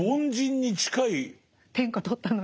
天下取ったのに。